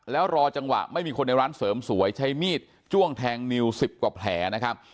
แล้วรอจังหวะไม่มีคนในร้านเสริมสวยใช้มีดจ้วงแทงนิว๑๐กว่าแผลนะครับ